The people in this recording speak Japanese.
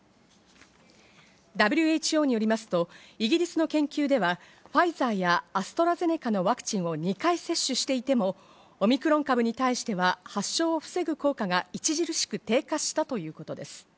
ＷＨＯによりますと、イギリスの研究では、ファイザーやアストラゼネカのワクチンを２回接種していても、オミクロン株に対しては、発症を防ぐ効果が著しく低下したということです。